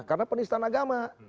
karena penistan agama